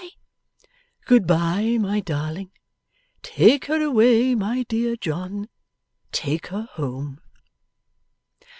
Good bye!' 'Good bye, my darling! Take her away, my dear John. Take her home!